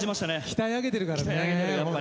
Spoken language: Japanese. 鍛え上げてるからね。